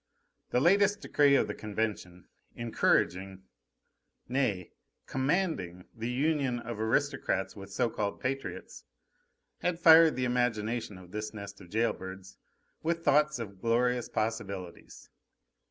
The latest decree of the Convention, encouraging, nay, commanding, the union of aristocrats with so called patriots, had fired the imagination of this nest of jail birds with thoughts of glorious possibilities.